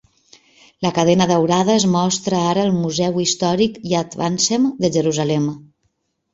La cadena daurada es mostra ara al museu històric Yad Vashem de Jerusalem.